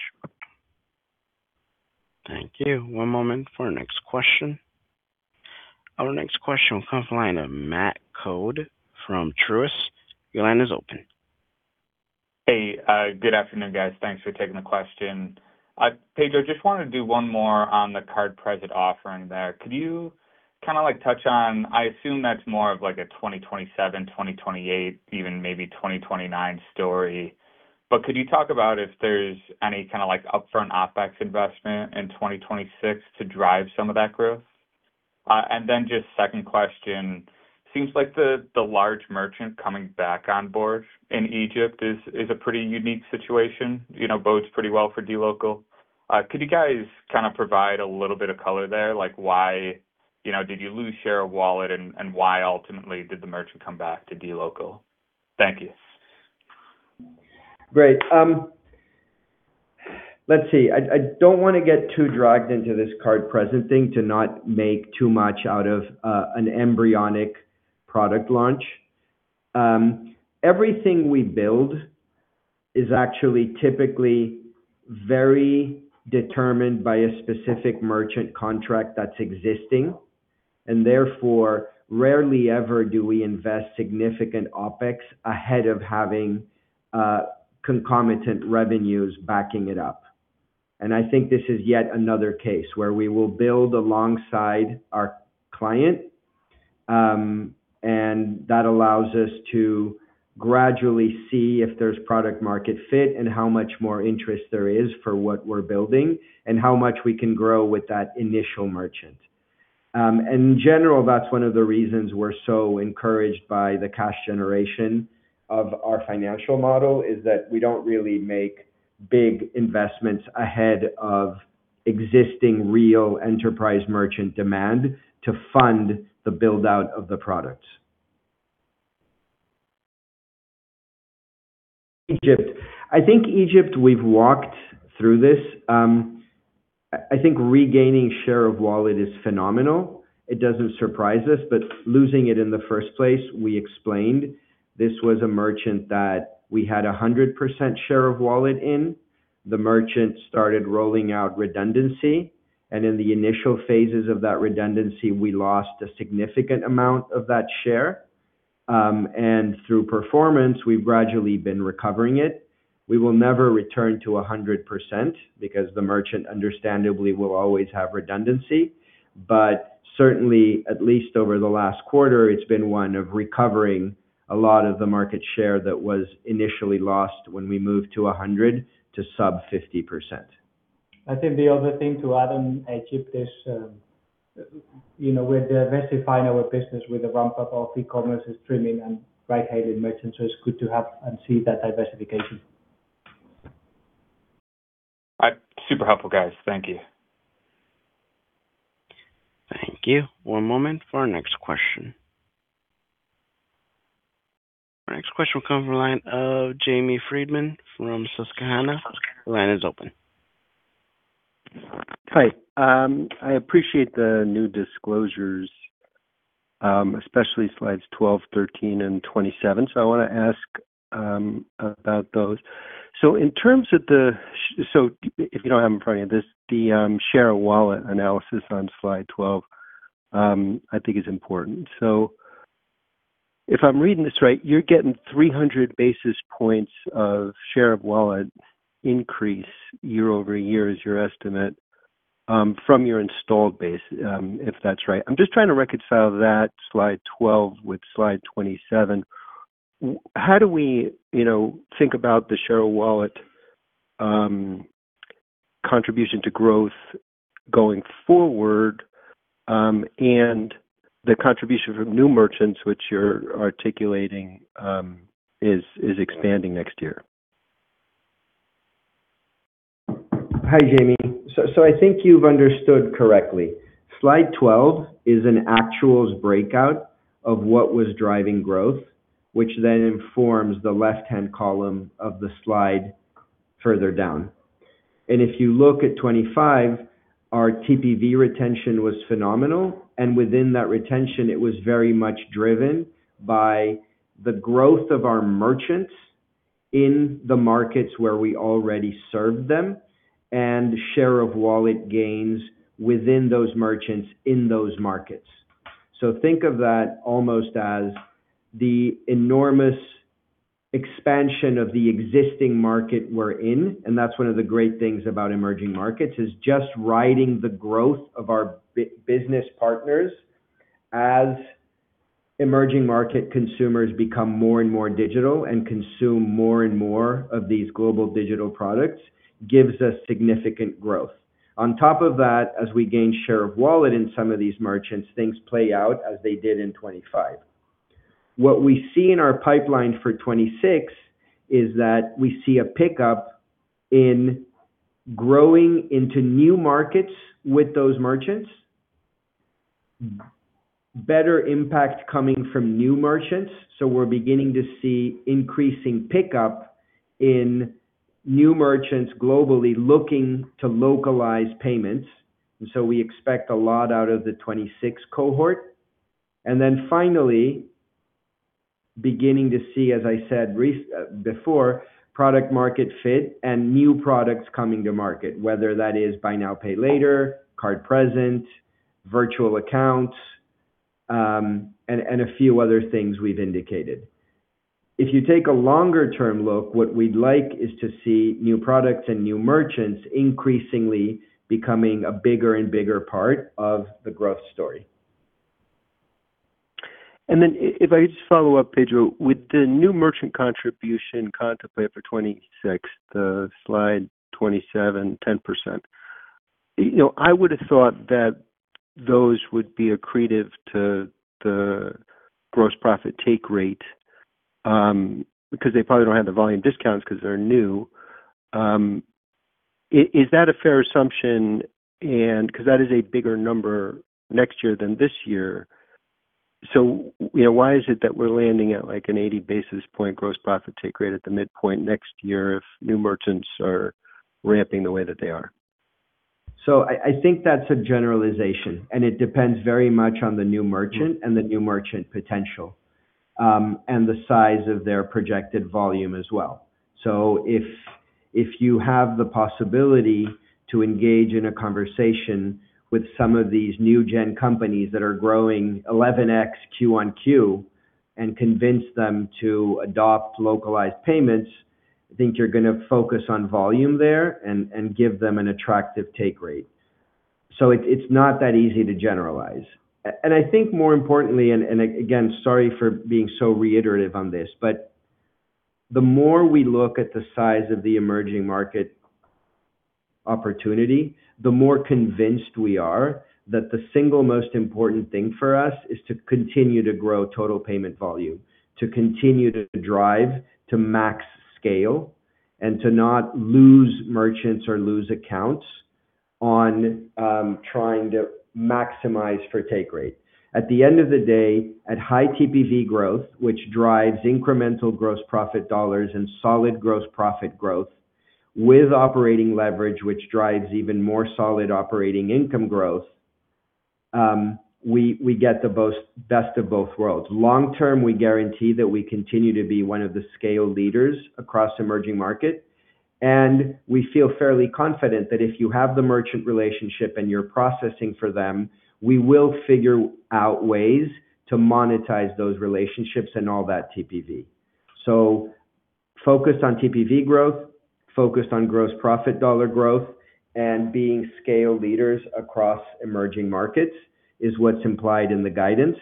Thank you. One moment for our next question. Our next question comes from the line of Matthew Coad from Truist. Your line is open. Hey, good afternoon, guys. Thanks for taking the question. Pedro, just wanted to do one more on the card-present offering there. Could you kinda like touch on? I assume that's more of like a 2027, 2028, even maybe 2029 story. But could you talk about if there's any kinda like upfront OpEx investment in 2026 to drive some of that growth? Then just second question. Seems like the large merchant coming back on board in Egypt is a pretty unique situation. You know, bodes pretty well for dLocal. Could you guys kind of provide a little bit of color there? Like why, you know, did you lose share of wallet and why ultimately did the merchant come back to dLocal? Thank you. Great. I don't wanna get too dragged into this card-present thing to not make too much out of an embryonic product launch. Everything we build is actually typically very determined by a specific merchant contract that's existing, and therefore rarely ever do we invest significant OpEx ahead of having concomitant revenues backing it up. I think this is yet another case where we will build alongside our client, and that allows us to gradually see if there's product market fit and how much more interest there is for what we're building and how much we can grow with that initial merchant. In general, that's one of the reasons we're so encouraged by the cash generation of our financial model, is that we don't really make big investments ahead of existing real enterprise merchant demand to fund the build-out of the products. Egypt. I think Egypt, we've walked through this. I think regaining share of wallet is phenomenal. It doesn't surprise us, but losing it in the first place, we explained this was a merchant that we had 100% share of wallet in. The merchant started rolling out redundancy, and in the initial phases of that redundancy, we lost a significant amount of that share. Through performance, we've gradually been recovering it. We will never return to 100% because the merchant understandably will always have redundancy. Certainly, at least over the last quarter, it's been one of recovering a lot of the market share that was initially lost when we moved from 100% to sub-50%. I think the other thing to add on Egypt is, you know, we're diversifying our business with the ramp-up of E-commerce, streaming, and ride-hailing merchants, so it's good to have and see that diversification. All right. Super helpful, guys. Thank you. Thank you. One moment for our next question. Our next question will come from the line of Jamie Friedman from Susquehanna. Your line is open. Hi. I appreciate the new disclosures, especially slides 12, 13, and 27. I wanna ask about those. In terms of the. If you don't have them in front of you, the share of wallet analysis on slide 12, I think is important. If I'm reading this right, you're getting 300 basis points of share of wallet increase year-over-year is your estimate, from your installed base, if that's right. I'm just trying to reconcile that slide 12 with slide 27. How do we, you know, think about the share of wallet, contribution to growth going forward, and the contribution from new merchants which you're articulating, is expanding next year? Hi, Jamie. I think you've understood correctly. Slide 12 is an actuals breakout of what was driving growth, which then informs the left-hand column of the slide further down. If you look at 25, our TPV retention was phenomenal, and within that retention it was very much driven by the growth of our merchants in the markets where we already served them and share of wallet gains within those merchants in those markets. Think of that almost as the enormous expansion of the existing market we're in, and that's one of the great things about emerging markets, is just riding the growth of our business partners as emerging market consumers become more and more digital and consume more and more of these global digital products, gives us significant growth. On top of that, as we gain share of wallet in some of these merchants, things play out as they did in 2025. What we see in our pipeline for 2026 is that we see a pickup in growing into new markets with those merchants. Better impact coming from new merchants. We're beginning to see increasing pickup in new merchants globally looking to localize payments, and so we expect a lot out of the 2026 cohort. Finally, beginning to see, as I said before, product market fit and new products coming to market, whether that is buy now, pay later, card-present, virtual accounts, and a few other things we've indicated. If you take a longer term look, what we'd like is to see new products and new merchants increasingly becoming a bigger and bigger part of the growth story. If I just follow up, Pedro, with the new merchant contribution contemplated for 2026, the slide 27, 10%. You know, I would have thought that those would be accretive to the gross profit take rate, because they probably don't have the volume discounts because they're new. Is that a fair assumption? Because that is a bigger number next year than this year. You know, why is it that we're landing at, like, an 80 basis points gross profit take rate at the midpoint next year if new merchants are ramping the way that they are? I think that's a generalization, and it depends very much on the new merchant and the new merchant potential, and the size of their projected volume as well. If you have the possibility to engage in a conversation with some of these new gen companies that are growing 11x quarter-over-quarter and convince them to adopt localized payments, I think you're gonna focus on volume there and give them an attractive take rate. It's not that easy to generalize. I think more importantly, and again, sorry for being so reiterative on this, but the more we look at the size of the emerging market opportunity, the more convinced we are that the single most important thing for us is to continue to grow total payment volume. To continue to drive to max scale and to not lose merchants or lose accounts on trying to maximize for take rate. At the end of the day, at high TPV growth, which drives incremental gross profit dollars and solid gross profit growth with operating leverage, which drives even more solid operating income growth, we get the best of both worlds. Long term, we guarantee that we continue to be one of the scale leaders across emerging markets, and we feel fairly confident that if you have the merchant relationship and you're processing for them, we will figure out ways to monetize those relationships and all that TPV. Focused on TPV growth, focused on gross profit dollar growth, and being scale leaders across emerging markets is what's implied in the guidance.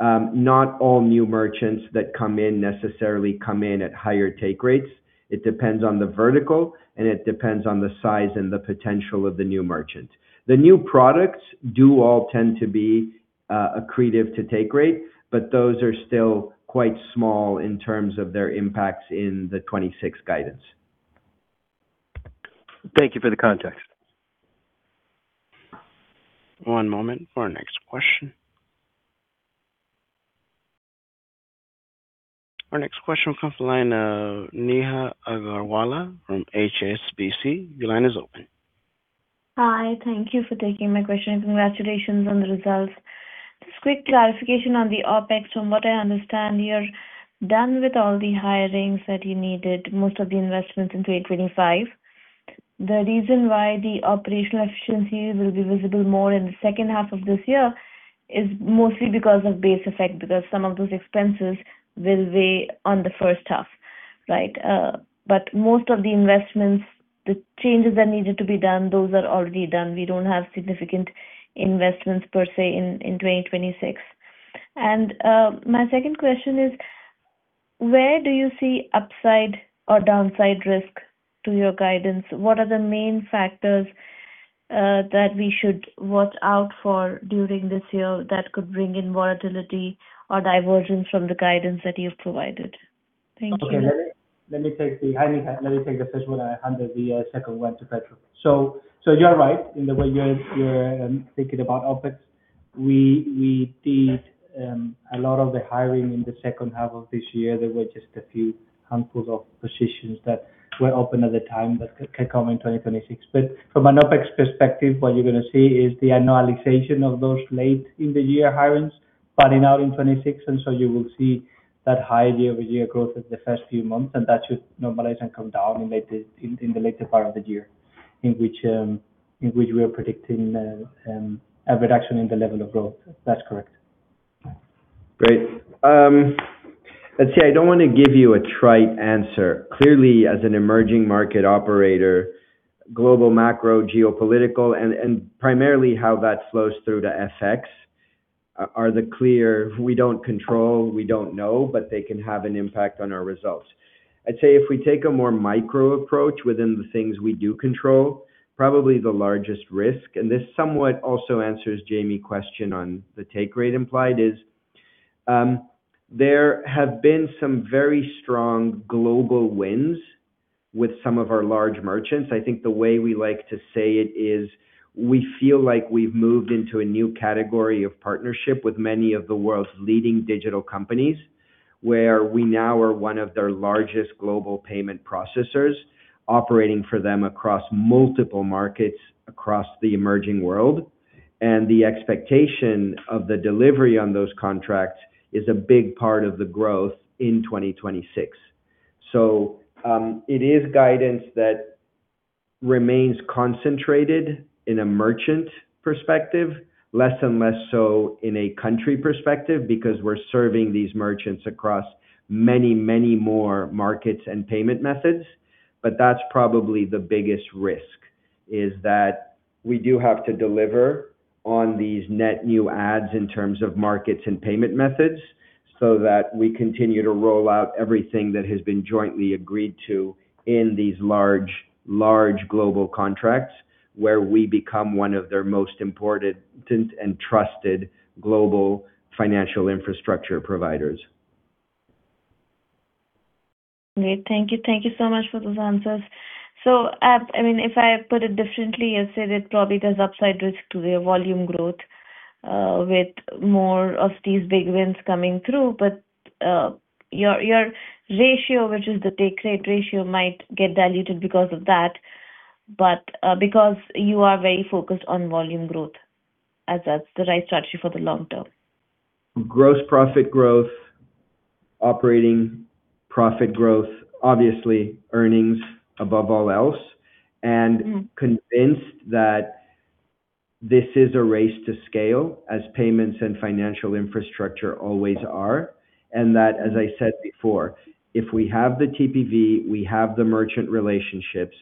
Not all new merchants that come in necessarily come in at higher take rates. It depends on the vertical, and it depends on the size and the potential of the new merchant. The new products do all tend to be accretive to take rate, but those are still quite small in terms of their impacts in the 2026 guidance. Thank you for the context. One moment for our next question. Our next question comes from the line of Neha Agarwala from HSBC. Your line is open. Hi, thank you for taking my question. Congratulations on the results. Just quick clarification on the OpEx. From what I understand, you're done with all the hirings that you needed, most of the investments in 2025. The reason why the operational efficiencies will be visible more in the second half of this year is mostly because of base effect, because some of those expenses will weigh on the first half, right? But most of the investments, the changes that needed to be done, those are already done. We don't have significant investments per se in 2026. My second question is: Where do you see upside or downside risk to your guidance? What are the main factors that we should watch out for during this year that could bring in volatility or divergence from the guidance that you've provided? Thank you. Okay. Let me take the first one. Neha, I'll hand the second one to Pedro. You're right in the way you're thinking about OpEx. We did a lot of the hiring in the second half of this year. There were just a few handfuls of positions that were open at the time that could come in 2026. From an OpEx perspective, what you're gonna see is the annualization of those late in the year hirings panning out in 2026. You will see that high year-over-year growth in the first few months, and that should normalize and come down in the later part of the year, in which we are predicting a reduction in the level of growth. That's correct. Great. Let's see. I don't want to give you a trite answer. Clearly, as an emerging market operator, global macro, geopolitical, and primarily how that flows through to FX are the clear we don't control, we don't know, but they can have an impact on our results. I'd say if we take a more micro approach within the things we do control, probably the largest risk, and this somewhat also answers Jamie's question on the take rate implied is, there have been some very strong global wins with some of our large merchants. I think the way we like to say it is we feel like we've moved into a new category of partnership with many of the world's leading digital companies, where we now are one of their largest global payment processors operating for them across multiple markets across the emerging world. The expectation of the delivery on those contracts is a big part of the growth in 2026. It is guidance that remains concentrated in a merchant perspective, less and less so in a country perspective because we're serving these merchants across many, many more markets and payment methods. That's probably the biggest risk. That is, we do have to deliver on these net new adds in terms of markets and payment methods so that we continue to roll out everything that has been jointly agreed to in these large global contracts where we become one of their most important and trusted global financial infrastructure providers. Great. Thank you. Thank you so much for those answers. I mean, if I put it differently, you said it probably there's upside risk to the volume growth, with more of these big wins coming through. Your ratio, which is the take rate ratio, might get diluted because of that. Because you are very focused on volume growth as that's the right strategy for the long term. Gross profit growth, operating profit growth, obviously earnings above all else, and convinced that this is a race to scale as payments and financial infrastructure always are, and that, as I said before, if we have the TPV, we have the merchant relationships.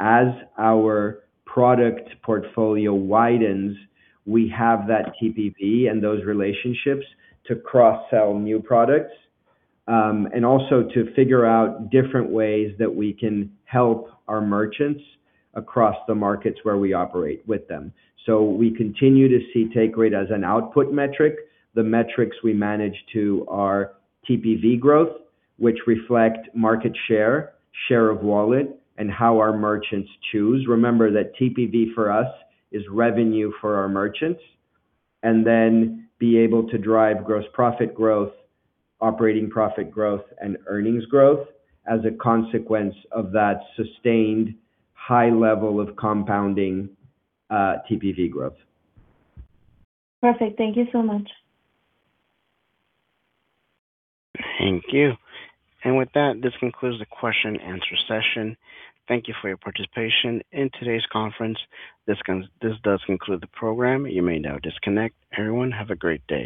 As our product portfolio widens, we have that TPV and those relationships to cross-sell new products, and also to figure out different ways that we can help our merchants across the markets where we operate with them. We continue to see take rate as an output metric. The metrics we manage to are TPV growth, which reflect market share of wallet, and how our merchants choose. Remember that TPV for us is revenue for our merchants. Be able to drive gross profit growth, operating profit growth, and earnings growth as a consequence of that sustained high level of compounding TPV growth. Perfect. Thank you so much. Thank you. With that, this concludes the question and answer session. Thank you for your participation in today's conference. This does conclude the program. You may now disconnect. Everyone, have a great day.